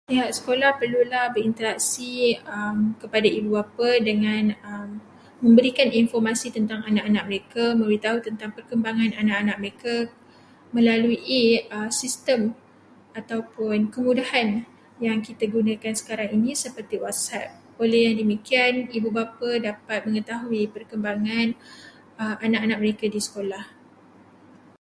Pihak sekolah perlulah berinteraksi kepada ibu bapa dengan memberikan informasi tentang anak-anak mereka atau tentang perkembangan anak-anak mereka melalui sistem ataupun kemudahan yang kita gunakan seakarang ini, seperti Whatsapp. Oleh yang demikian ibu bapa dapat mengetahui perkembangan anak-anak mereka di sekolah.